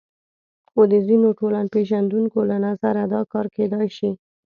خو د ځینو ټولنپېژندونکو له نظره دا کار کېدای شي.